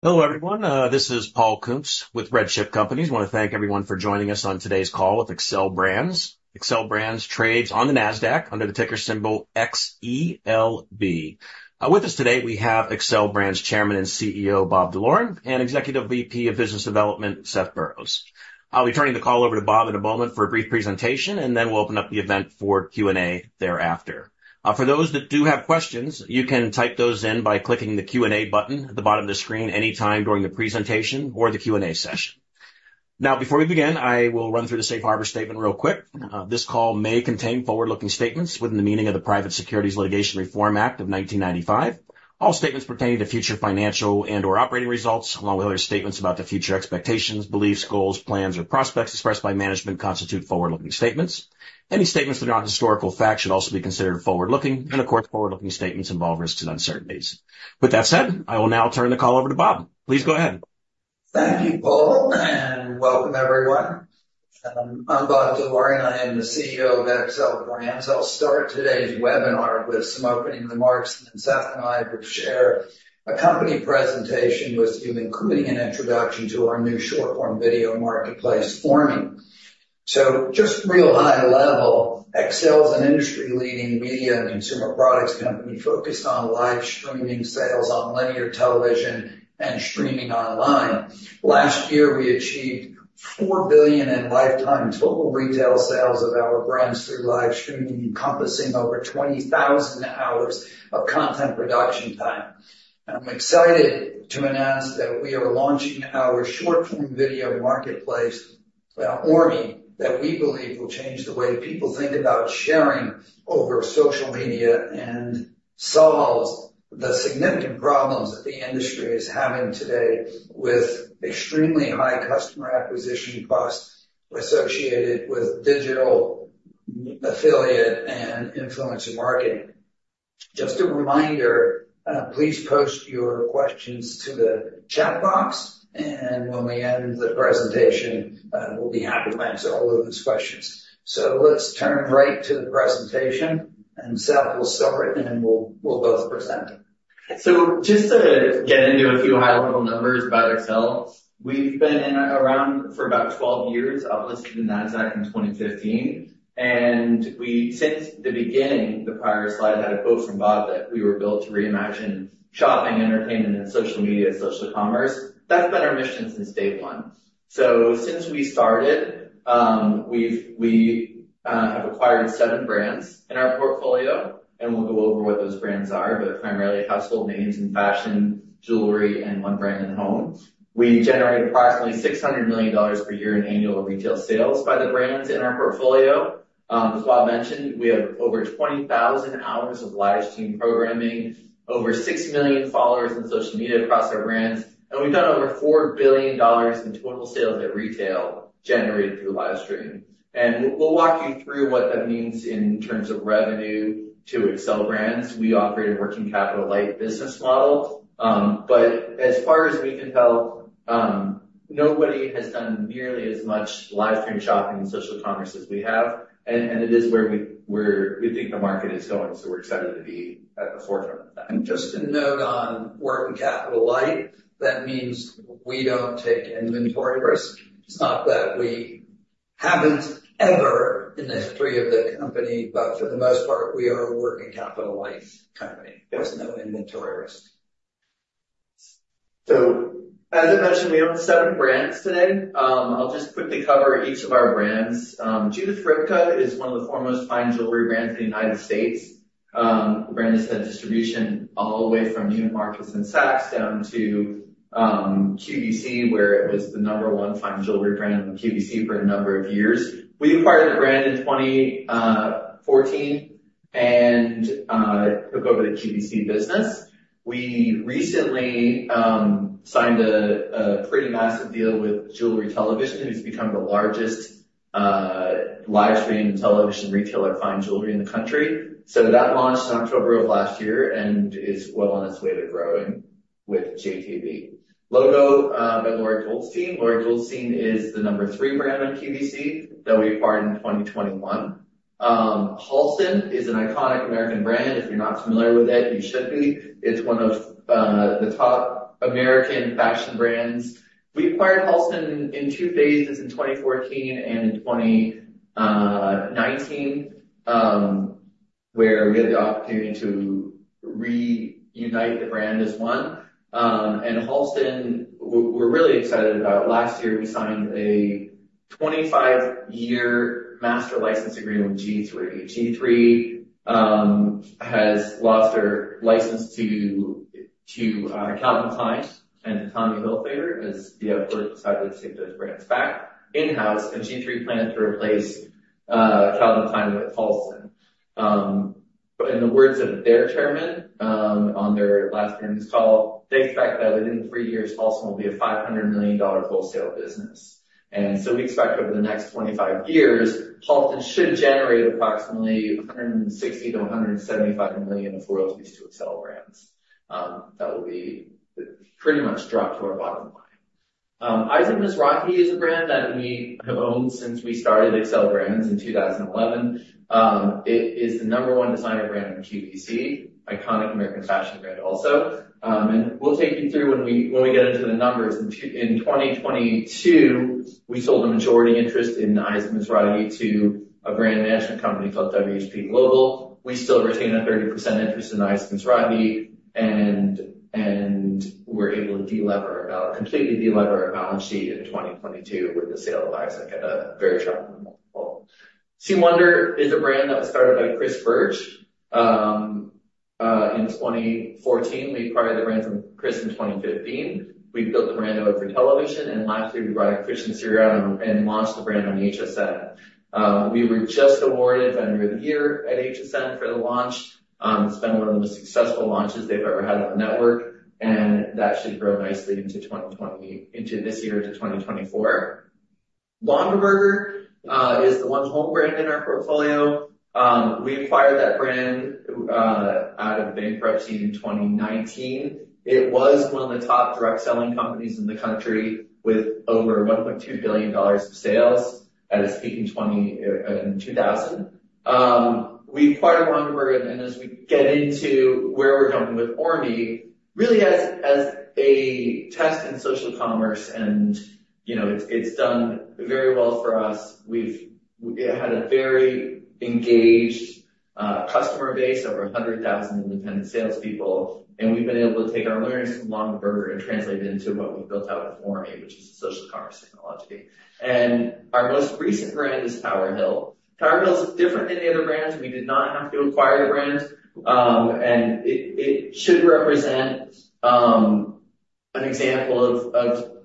Hello, everyone. This is Paul Kuntz with RedChip Companies. I want to thank everyone for joining us on today's call with Xcel Brands. Xcel Brands trades on the Nasdaq under the ticker symbol XELB. With us today, we have Xcel Brands Chairman and CEO, Bob D'Loren, and Executive VP of Business Development, Seth Burroughs. I'll be turning the call over to Bob in a moment for a brief presentation, and then we'll open up the event for Q&A thereafter. For those that do have questions, you can type those in by clicking the Q&A button at the bottom of the screen anytime during the presentation or the Q&A session. Now, before we begin, I will run through the Safe Harbor Statement real quick. This call may contain forward-looking statements within the meaning of the Private Securities Litigation Reform Act of 1995. All statements pertaining to future financial and/or operating results, along with other statements about the future expectations, beliefs, goals, plans, or prospects expressed by management, constitute forward-looking statements. Any statements that are not historical facts should also be considered forward-looking, and of course, forward-looking statements involve risks and uncertainties. With that said, I will now turn the call over to Bob. Please go ahead. Thank you, Paul, and welcome everyone. I'm Bob D'Loren, I am the CEO of Xcel Brands. I'll start today's webinar with some opening remarks, and then Seth and I will share a company presentation with you, including an introduction to our new short-form video marketplace, ORME. So just real high level, Xcel is an industry-leading media and consumer products company focused on live streaming sales on linear television and streaming online. Last year, we achieved $4 billion in lifetime total retail sales of our brands through live streaming, encompassing over 20,000 hours of content production time. I'm excited to announce that we are launching our short-form video marketplace, ORME, that we believe will change the way people think about sharing over social media and solves the significant problems that the industry is having today with extremely high customer acquisition costs associated with digital affiliate and influencer marketing. Just a reminder, please post your questions to the chat box, and when we end the presentation, we'll be happy to answer all of those questions. Let's turn right to the presentation, and Seth will start, and then we'll both present. So just to get into a few high-level numbers about ourselves. We've been around for about 12 years, uplisted in Nasdaq in 2015, and since the beginning, the prior slide had a quote from Bob that we were built to reimagine shopping, entertainment, and social media, social commerce. That's been our mission since day one. So since we started, we've acquired seven brands in our portfolio, and we'll go over what those brands are, but primarily household names in fashion, jewelry, and one brand in home. We generate approximately $600 million per year in annual retail sales by the brands in our portfolio. As Bob mentioned, we have over 20,000 hours of live stream programming, over 6 million followers on social media across our brands, and we've done over $4 billion in total sales at retail generated through live stream. We'll, we'll walk you through what that means in terms of revenue to Xcel Brands. We operate a working-capital-light business model. But as far as we can tell, nobody has done nearly as much live stream shopping and social commerce as we have, and it is where we, where we think the market is going, so we're excited to be at the forefront of that. Just a note on working capital light. That means we don't take inventory risk. It's not that we haven't ever in the history of the company, but for the most part, we are a working-capital-light company. There's no inventory risk. So as I mentioned, we own seven brands today. I'll just quickly cover each of our brands. Judith Ripka is one of the foremost fine jewelry brands in the United States. The brand has had distribution all the way from Neiman Marcus and Saks down to QVC, where it was the number one fine jewelry brand on QVC for a number of years. We acquired the brand in 2014 and took over the QVC business. We recently signed a pretty massive deal with Jewelry Television, who's become the largest live stream television retailer of fine jewelry in the country. So that launched in October of last year and is well on its way to growing with JTV. LOGO by Lori Goldstein. Lori Goldstein is the number three brand on QVC that we acquired in 2021. Halston is an iconic American brand. If you're not familiar with it, you should be. It's one of the top American fashion brands. We acquired Halston in two phases, in 2014 and in 2019, where we had the opportunity to reunite the brand as one. And Halston, we're really excited about. Last year, we signed a 25-year master license agreement with G-III. G-III has lost their license to Calvin Klein and Tommy Hilfiger, as VF Corporation decided to take those brands back in-house, and G-III planned to replace Calvin Klein with Halston. But in the words of their chairman, on their last earnings call, they expect that within three years, Halston will be a $500 million wholesale business. We expect over the next 25 years, Halston should generate approximately $160 million-$175 million of royalties to Xcel Brands. That will be pretty much drop to our bottom line. Isaac Mizrahi is a brand that we have owned since we started Xcel Brands in 2011. It is the number one designer brand on QVC, iconic American fashion brand also. And we'll take you through when we get into the numbers. In 2022, we sold a majority interest in Isaac Mizrahi to a brand management company called WHP Global. We still retain a 30% interest in Isaac Mizrahi, and we're able to completely delever our balance sheet in 2022 with the sale of Isaac at a very strong multiple. C. Wonder is a brand that was started by Chris Burch in 2014. We acquired the brand from Chris in 2015. We built the brand out for television, and last year we brought in Christian Siriano and launched the brand on HSN. We were just awarded Vendor of the Year at HSN for the launch. It's been one of the most successful launches they've ever had on the network, and that should grow nicely into this year, into 2024. Longaberger is the one home brand in our portfolio. We acquired that brand out of bankruptcy in 2019. It was one of the top direct selling companies in the country, with over $1.2 billion of sales at its peak in 2000. We acquired Longaberger, and as we get into where we're going with ORME, really as a test in social commerce, and, you know, it's done very well for us. We've had a very engaged customer base, over 100,000 independent salespeople, and we've been able to take our learnings from Longaberger and translate it into what we've built out with ORME, which is social commerce technology. And our most recent brand is TWRHLL. TWRHLL is different than the other brands. We did not have to acquire the brand, and it should represent an example of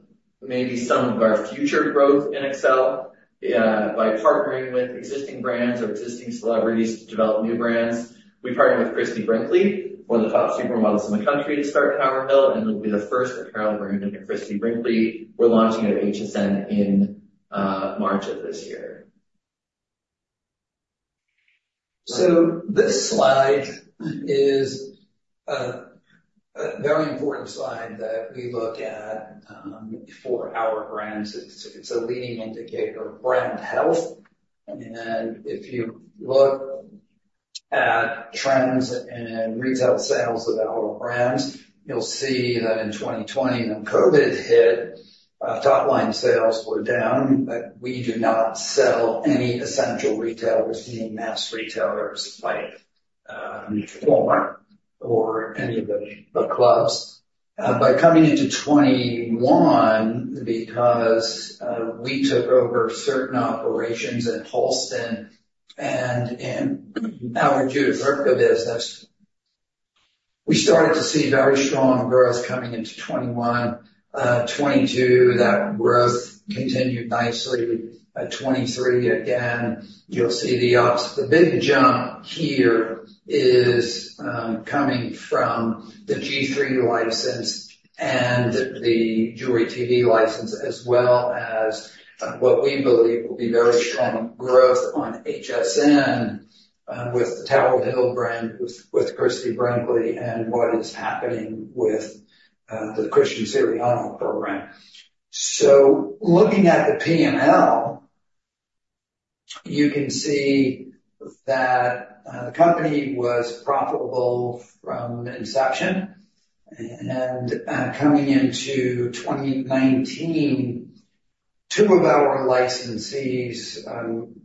maybe some of our future growth in Xcel by partnering with existing brands or existing celebrities to develop new brands. We partnered with Christie Brinkley, one of the top supermodels in the country, to start TWRHLL, and it'll be the first apparel brand under Christie Brinkley. We're launching at HSN in March of this year. So this slide is a very important slide that we look at for our brands. It's a leading indicator of brand health, and if you look at trends in retail sales of our brands, you'll see that in 2020, when COVID hit, top-line sales were down, but we do not sell any essential retailers, any mass retailers like Walmart or any of the clubs. By coming into 2021, because we took over certain operations at Halston and in our Judith Ripka business, we started to see very strong growth coming into 2021. 2022, that growth continued nicely. At 2023, again, you'll see the ups. The big jump here is coming from the G-III license and the Jewelry TV license, as well as what we believe will be very strong growth on HSN with the TWRHLL brand, with Christie Brinkley and what is happening with the Christian Siriano program. So looking at the P&L, you can see that the company was profitable from inception, and coming into 2019, two of our licensees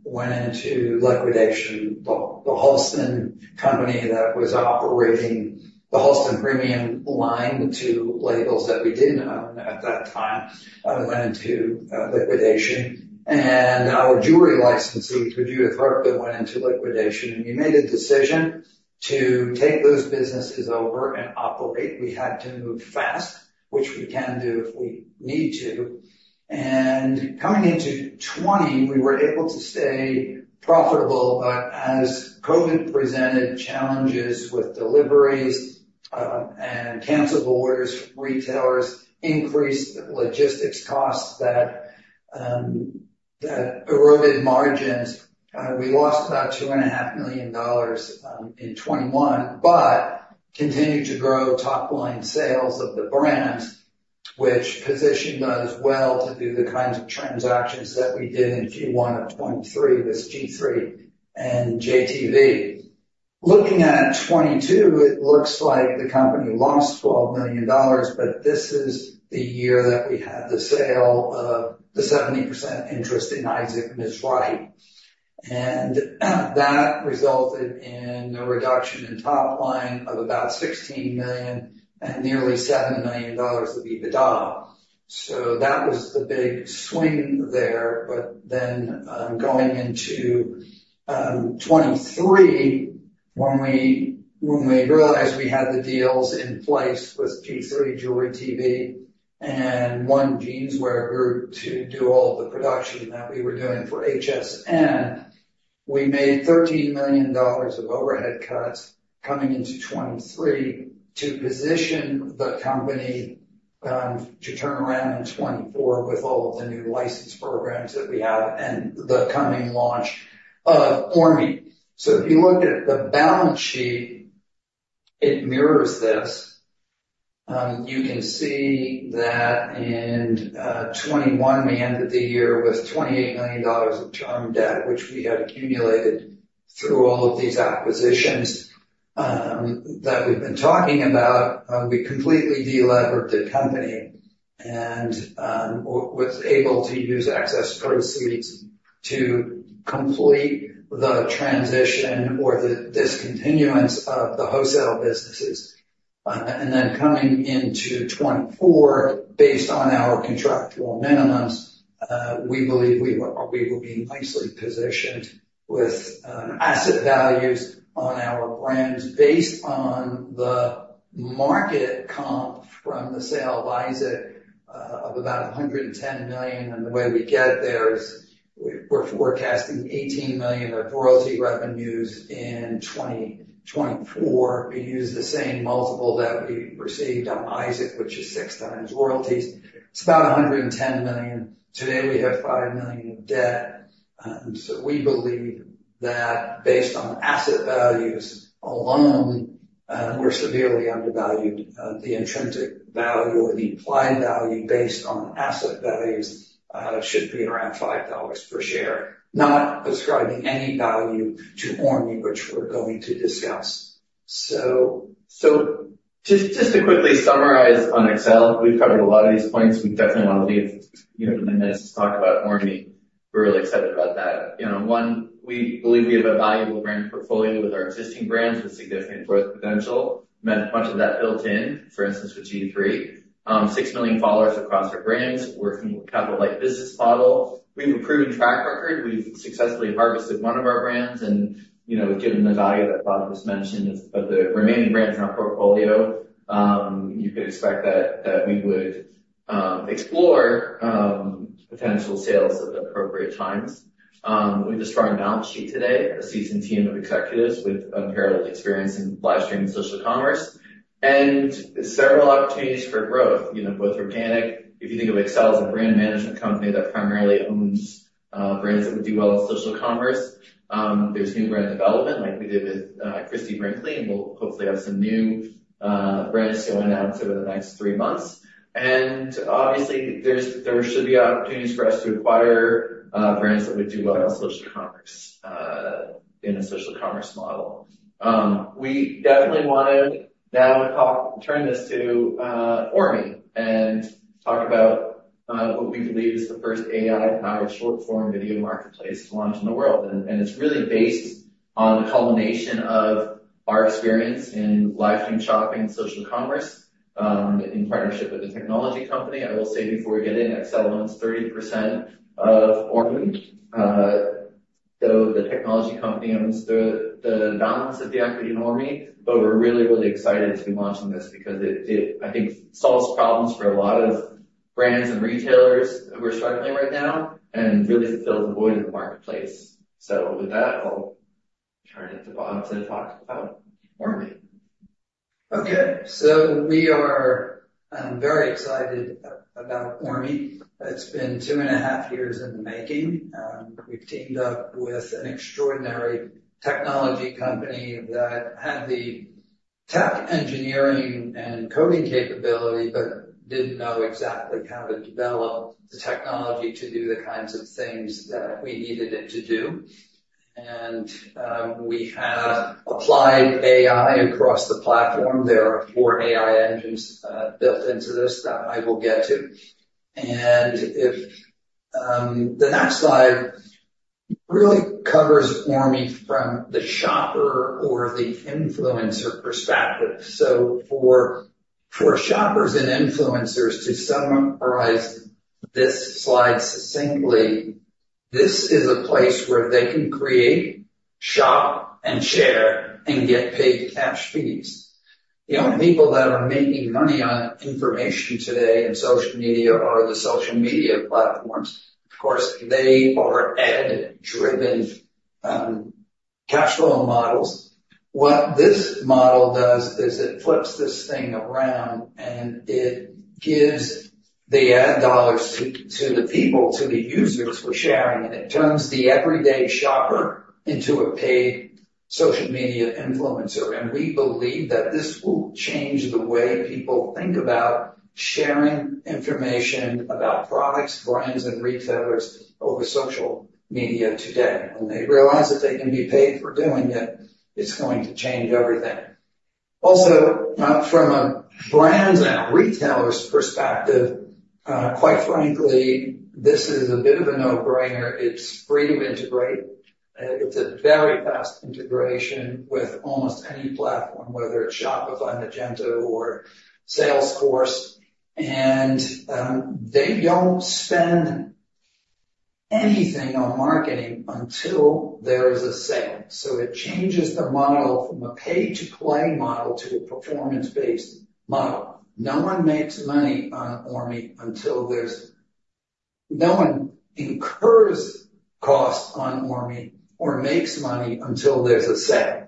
went into liquidation. The Halston company that was operating the Halston premium line, two labels that we didn't own at that time, went into liquidation, and our jewelry licensee for Judith Ripka went into liquidation, and we made a decision to take those businesses over and operate. We had to move fast, which we can do if we need to. Coming into 2020, we were able to stay profitable, but as COVID presented challenges with deliveries, and canceled orders from retailers, increased logistics costs that eroded margins. We lost about $2.5 million in 2021, but continued to grow top-line sales of the brands, which positioned us well to do the kinds of transactions that we did in Q1 of 2023, this G-III and JTV. Looking at 2022, it looks like the company lost $12 million, but this is the year that we had the sale of the 70% interest in Isaac Mizrahi, and that resulted in a reduction in top line of about $16 million and nearly $7 million of EBITDA. So that was the big swing there, but then, going into 2023, when we, when we realized we had the deals in place with G-III, JTV and One Jeanswear Group to do all of the production that we were doing for HSN, we made $13 million of overhead cuts coming into 2023 to position the company, to turn around in 2024 with all of the new license programs that we have and the coming launch of ORME. So if you look at the balance sheet. It mirrors this. You can see that in 2021, we ended the year with $28 million of term debt, which we had accumulated through all of these acquisitions, that we've been talking about. We completely de-levered the company and was able to use excess proceeds to complete the transition or the discontinuance of the wholesale businesses. Then coming into 2024, based on our contractual minimums, we believe we will be nicely positioned with asset values on our brands based on the market comp from the sale of Isaac of about $110 million. And the way we get there is we're forecasting $18 million of royalty revenues in 2024. We use the same multiple that we received on Isaac, which is 6x royalties. It's about $110 million. Today, we have $5 million in debt, and so we believe that based on asset values alone, we're severely undervalued. The intrinsic value or the implied value based on asset values should be around $5 per share, not ascribing any value to ORME, which we're going to discuss. So just to quickly summarize on Xcel, we've covered a lot of these points. We definitely want to leave a few minutes to talk about ORME. We're really excited about that. You know, one, we believe we have a valuable brand portfolio with our existing brands with significant growth potential, meant much of that built in, for instance, with G-III. 6 million followers across our brands. We're working with a capital light business model. We have a proven track record. We've successfully harvested one of our brands and, you know, given the value that Bob just mentioned of the remaining brands in our portfolio, you could expect that that we would explore potential sales at the appropriate times. We have a strong balance sheet today, a seasoned team of executives with unparalleled experience in live streaming social commerce, and several opportunities for growth, you know, both organic. If you think of Xcel as a brand management company that primarily owns brands that would do well in social commerce, there's new brand development like we did with Christie Brinkley, and we'll hopefully have some new brands going out over the next three months. And obviously, there should be opportunities for us to acquire brands that would do well in social commerce in a social commerce model. We definitely want to now talk, turn this to ORME and talk about what we believe is the first AI-powered short-form video marketplace to launch in the world. And it's really based on the culmination of our experience in live stream shopping, social commerce, in partnership with a technology company. I will say before we get in, Xcel owns 30% of ORME. So the technology company owns the balance of the equity in ORME, but we're really, really excited to be launching this because it, I think, solves problems for a lot of brands and retailers who are struggling right now and really fills a void in the marketplace. So with that, I'll turn it to Bob to talk about ORME. Okay. So we are very excited about ORME. It's been 2.5 years in the making. We've teamed up with an extraordinary technology company that had the tech, engineering, and coding capability, but didn't know exactly how to develop the technology to do the kinds of things that we needed it to do. And, we have applied AI across the platform. There are four AI engines built into this that I will get to. The next slide really covers ORME from the shopper or the influencer perspective. So for shoppers and influencers, to summarize this slide succinctly, this is a place where they can create, shop, and share, and get paid cash fees. You know, people that are making money on information today in social media or the social media platforms, of course, they are ad-driven, cash flow models. What this model does is it flips this thing around, and it gives the ad dollars to, to the people, to the users for sharing, and it turns the everyday shopper into a paid social media influencer. We believe that this will change the way people think about sharing information about products, brands, and retailers over social media today. When they realize that they can be paid for doing it, it's going to change everything. Also, from a brands and a retailers perspective, quite frankly, this is a bit of a no-brainer. It's free to integrate, and it's a very fast integration with almost any platform, whether it's Shopify, Magento, or Salesforce. And, they don't spend anything on marketing until there is a sale. So it changes the model from a pay-to-play model to a performance-based model. No one makes money on ORME until there's a sale. No one incurs costs on ORME or makes money until there's a sale.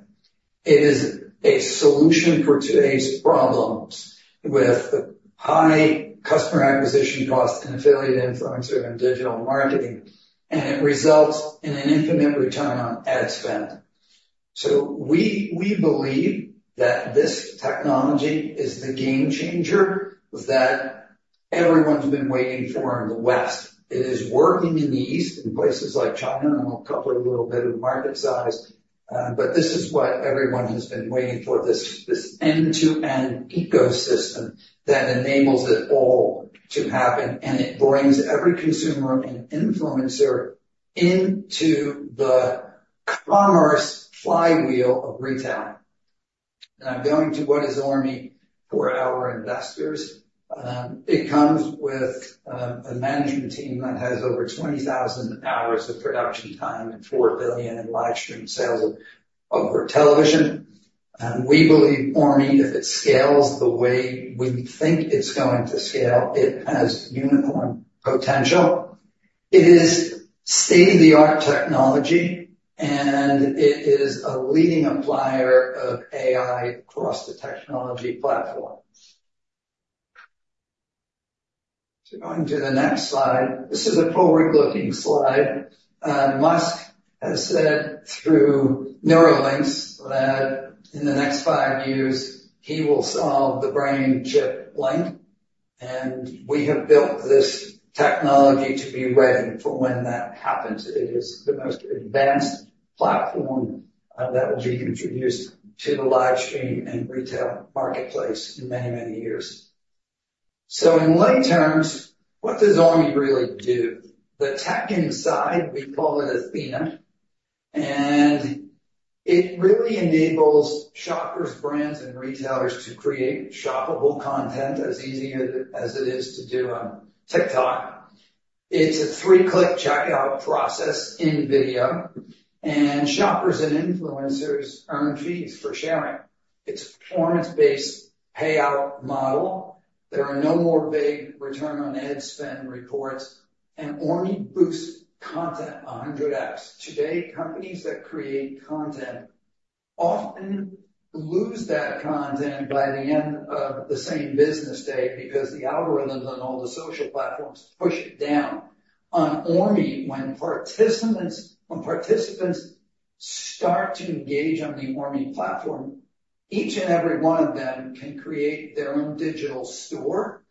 It is a solution for today's problems with high customer acquisition costs and affiliate influencer and digital marketing, and it results in an infinite return on ad spend. So we believe that this technology is the game changer that everyone's been waiting for in the West. It is working in the East, in places like China, and I'll cover a little bit of market size. But this is what everyone has been waiting for, this end-to-end ecosystem that enables it all to happen, and it brings every consumer and influencer into the commerce flywheel of retail. Now, going to what is ORME for our investors? It comes with a management team that has over 20,000 hours of production time and $4 billion in live stream sales over television. And we believe ORME, if it scales the way we think it's going to scale, it has unicorn potential. It is state-of-the-art technology, and it is a leading applier of AI across the technology platforms. So going to the next slide. This is a forward-looking slide. Musk has said through Neuralink that in the next five years, he will solve the brain chip link, and we have built this technology to be ready for when that happens. It is the most advanced platform that will be introduced to the live stream and retail marketplace in many, many years. So in lay terms, what does ORME really do? The tech inside, we call it Athena, and it really enables shoppers, brands, and retailers to create shoppable content as easy as, as it is to do on TikTok. It's a three-click checkout process in video, and shoppers and influencers earn fees for sharing. It's a performance-based payout model. There are no more vague return on ad spend reports, and ORME boosts content 100x. Today, companies that create content often lose that content by the end of the same business day because the algorithms on all the social platforms push it down. On ORME, when participants start to engage on the ORME platform, each and every one of them can create their own digital store,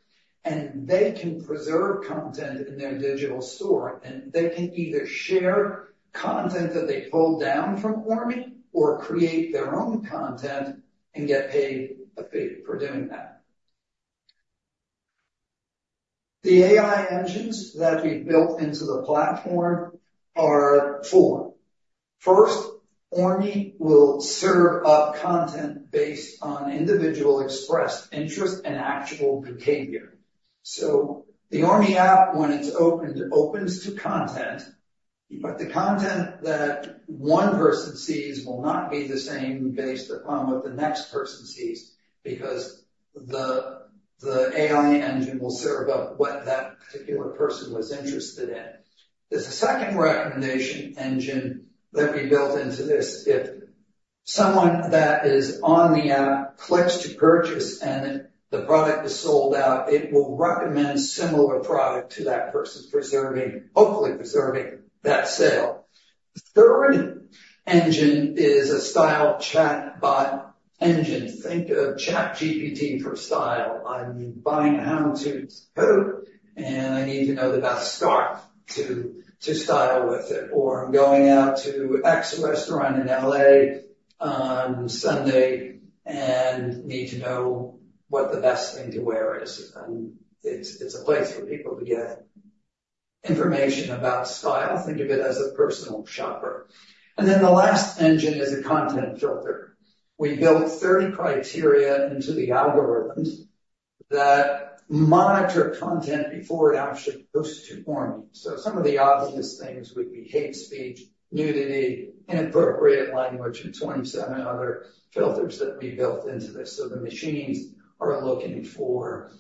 and they can preserve content in their digital store, and they can either share content that they pull down from ORME or create their own content and get paid a fee for doing that. The AI engines that we built into the platform are four. First, ORME will serve up content based on individual expressed interest and actual behavior. So the ORME app, when it's opened, opens to content, but the content that one person sees will not be the same based upon what the next person sees, because the AI engine will serve up what that particular person was interested in. There's a second recommendation engine that we built into this. If someone that is on the app clicks to purchase and the product is sold out, it will recommend a similar product to that person, preserving, hopefully preserving that sale. The third engine is a style chatbot engine. Think of ChatGPT for style. I'm buying a houndstooth coat, and I need to know the best scarf to, to style with it, or I'm going out to X restaurant in L.A. on Sunday and need to know what the best thing to wear is, and it's, it's a place for people to get information about style. Think of it as a personal shopper. And then the last engine is a content filter. We built 30 criteria into the algorithms that monitor content before it actually posts to ORME. So some of the obvious things would be hate speech, nudity, inappropriate language, and 27 other filters that we built into this. So the machines are looking for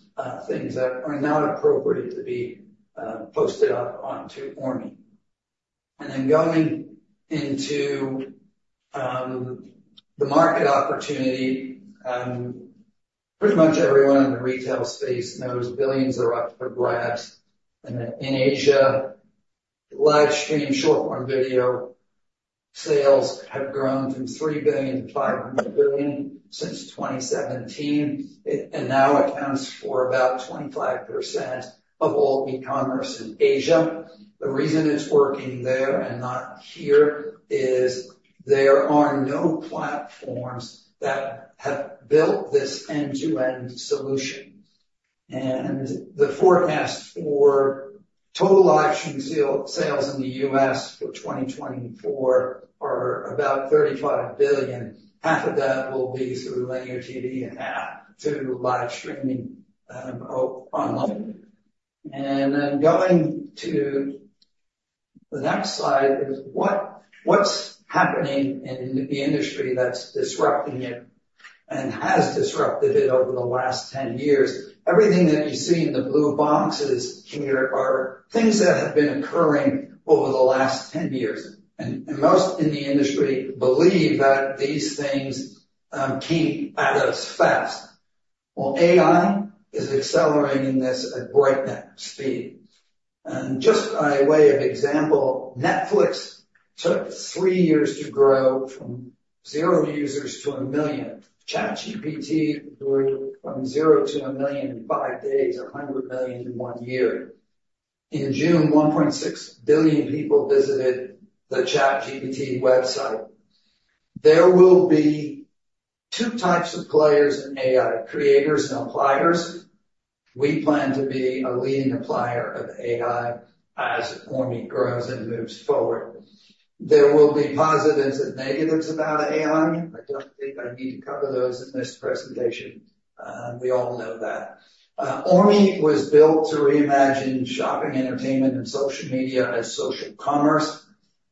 things that are not appropriate to be posted up onto ORME. And then going into the market opportunity, pretty much everyone in the retail space knows billions are up for grabs. And in Asia, live stream short-form video sales have grown from $3 billion to $500 billion since 2017, and now accounts for about 25% of all e-commerce in Asia. The reason it's working there and not here is there are no platforms that have built this end-to-end solution, and the forecast for total live stream sales in the U.S. for 2024 are about $35 billion. Half of that will be through linear TV and app, through live streaming online. Then going to the next slide is what, what's happening in the industry that's disrupting it and has disrupted it over the last 10 years? Everything that you see in the blue boxes here are things that have been occurring over the last 10 years, and most in the industry believe that these things came at us fast. Well, AI is accelerating this at breakneck speed. And just by way of example, Netflix took three years to grow from zero users to 1 million. ChatGPT grew from zero to 1 million in five days, 100 million in one year. In June, 1.6 billion people visited the ChatGPT website. There will be two types of players in AI: creators and appliers. We plan to be a leading applier of AI as ORME grows and moves forward. There will be positives and negatives about AI. I don't think I need to cover those in this presentation, we all know that. ORME was built to reimagine shopping, entertainment, and social media as social commerce.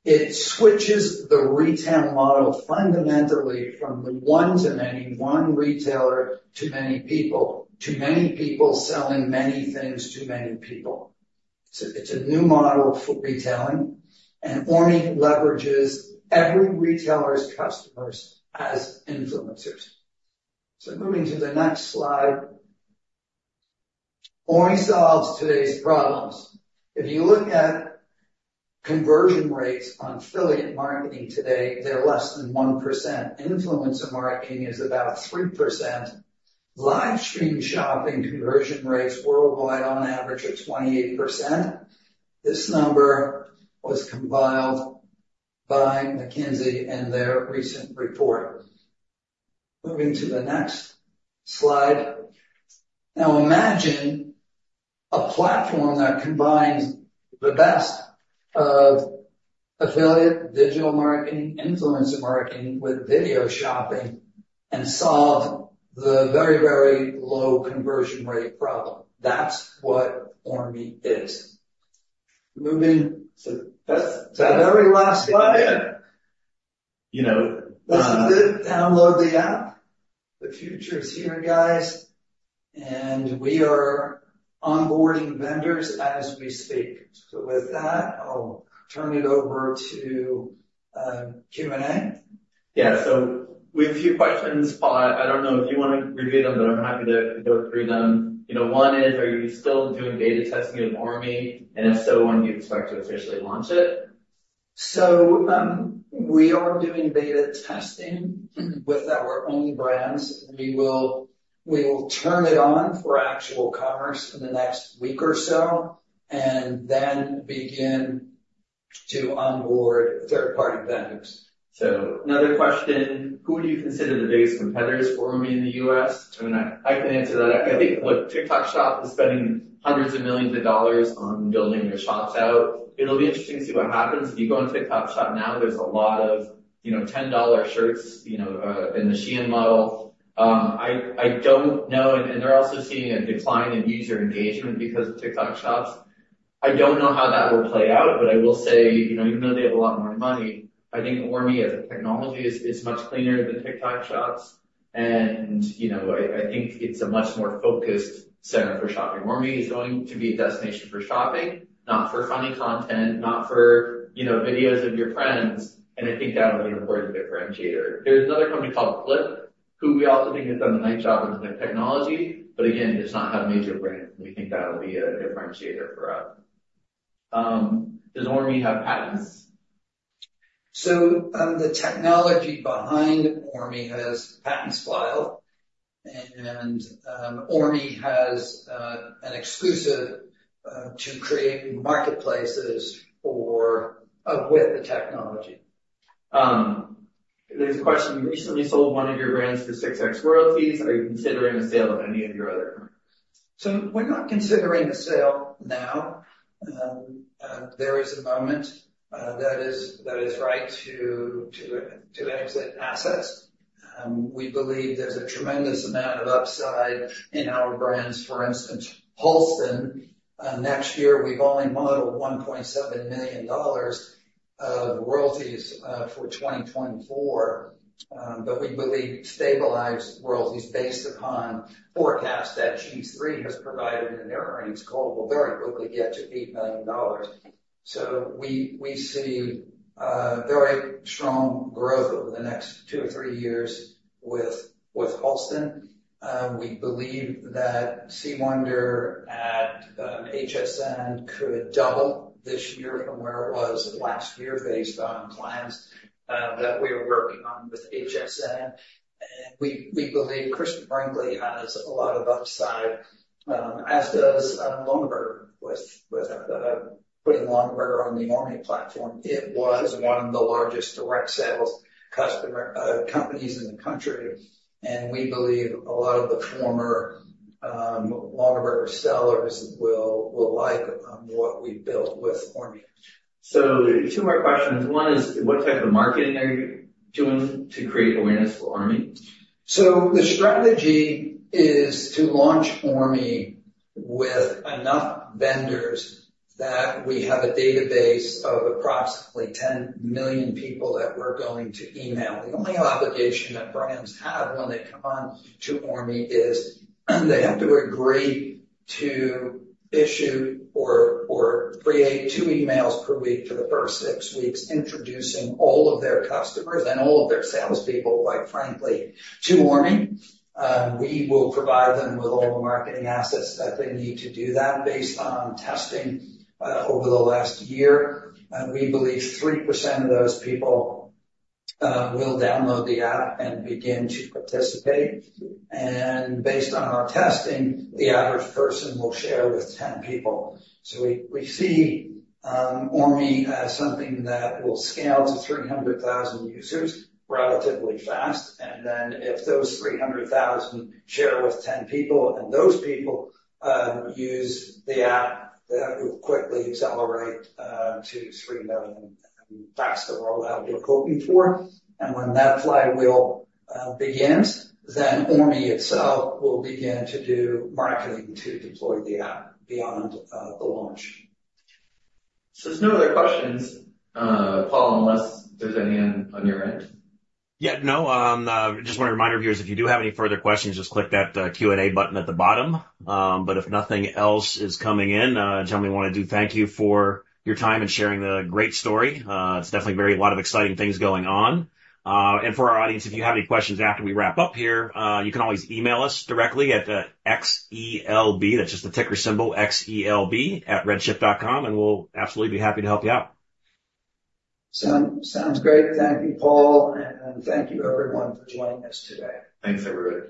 It switches the retail model fundamentally from the one to many, one retailer to many people, to many people selling many things to many people. So it's a new model for retailing, and ORME leverages every retailer's customers as influencers. So moving to the next slide. ORME solves today's problems. If you look at conversion rates on affiliate marketing today, they're less than 1%. Influencer marketing is about 3%. Live stream shopping conversion rates worldwide on average are 28%. This number was compiled by McKinsey in their recent report. Moving to the next slide. Now, imagine a platform that combines the best of affiliate digital marketing, influencer marketing with video shopping, and solve the very, very low conversion rate problem. That's what ORME is. Moving to... That's the very last slide? Yeah. You know— This is it. Download the app. The future is here, guys, and we are onboarding vendors as we speak. With that, I'll turn it over to Q&A. Yeah. So we have a few questions, Paul. I don't know if you want to review them, but I'm happy to go through them. You know, one is: Are you still doing beta testing of ORME, and if so, when do you expect to officially launch it? We are doing beta testing with our own brands. We will turn it on for actual commerce in the next week or so, and then begin to onboard third-party vendors. So another question: Who would you consider the biggest competitors for ORME in the U.S.? I mean, I can answer that. I think, look, TikTok Shop is spending hundreds of millions of dollars on building their shops out. It'll be interesting to see what happens. If you go on TikTok Shop now, there's a lot of, you know, $10 shirts, you know, in the Shein model. I don't know, and they're also seeing a decline in user engagement because of TikTok Shop. I don't know how that will play out, but I will say, you know, even though they have a lot more money, I think ORME, as a technology, is much cleaner than TikTok Shop, and, you know, I think it's a much more focused center for shopping. ORME is going to be a destination for shopping, not for funny content, not for, you know, videos of your friends, and I think that is an important differentiator. There's another company called Flip, who we also think has done a nice job with their technology, but again, does not have major brands, and we think that'll be a differentiator for us. Does ORME have patents? The technology behind ORME has patents filed, and ORME has an exclusive to create marketplaces for with the technology. There's a question: You recently sold one of your brands for 6 X royalties. Are you considering a sale of any of your other brands? So we're not considering a sale now. There is a moment that is right to exit assets. We believe there's a tremendous amount of upside in our brands. For instance, Halston, next year, we've only modeled $1.7 million of royalties for 2024. But we believe stabilized royalties, based upon forecasts that G-III has provided in their earnings call, will very quickly get to $8 million. So we see very strong growth over the next two or three years with Halston. We believe that C. Wonder at HSN could double this year from where it was last year, based on plans that we are working on with HSN. And we believe Christie Brinkley has a lot of upside, as does Longaberger, with putting Longaberger on the ORME platform. It was one of the largest direct sales customer companies in the country, and we believe a lot of the former Longaberger sellers will like what we've built with ORME. Two more questions. One is: What type of marketing are you doing to create awareness for ORME? So the strategy is to launch ORME with enough vendors that we have a database of approximately 10 million people that we're going to email. The only obligation that brands have when they come on to ORME is, they have to agree to issue or, or create two emails per week for the first six weeks, introducing all of their customers and all of their salespeople, quite frankly, to ORME. We will provide them with all the marketing assets that they need to do that based on testing over the last year, and we believe 3% of those people will download the app and begin to participate. And based on our testing, the average person will share with 10 people. So we see ORME as something that will scale to 300,000 users relatively fast, and then if those 300,000 share with 10 people, and those people use the app, that will quickly accelerate to 3 million. And that's the rollout we're hoping for. And when that flywheel begins, then ORME itself will begin to do marketing to deploy the app beyond the launch. So there's no other questions, Paul, unless there's any on your end? Yeah. No, just want to remind our viewers, if you do have any further questions, just click that Q&A button at the bottom. But if nothing else is coming in, gentlemen, we want to do thank you for your time and sharing the great story. It's definitely very a lot of exciting things going on. For our audience, if you have any questions after we wrap up here, you can always email us directly at XELB, that's just the ticker symbol, xelb@redchip.com, and we'll absolutely be happy to help you out. Sounds great. Thank you, Paul, and thank you everyone for joining us today. Thanks, everybody.